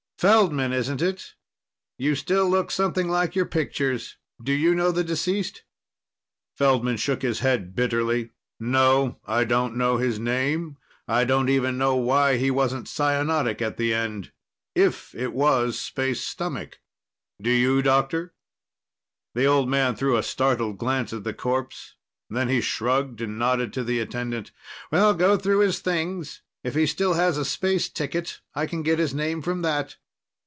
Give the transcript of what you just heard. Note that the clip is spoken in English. "Feldman, isn't it? You still look something like your pictures. Do you know the deceased?" Feldman shook his head bitterly. "No. I don't know his name. I don't even know why he wasn't cyanotic at the end, if it was space stomach. Do you, doctor?" The old man threw a startled glance at the corpse. Then he shrugged and nodded to the attendant. "Well, go through his things. If he still has a space ticket, I can get his name from that."